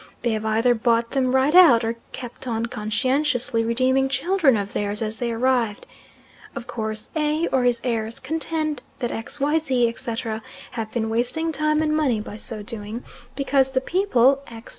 They have either bought them right out, or kept on conscientiously redeeming children of theirs as they arrived. Of course A., or his heirs, contend that X., Y., Z., etc. have been wasting time and money by so doing, because the people X.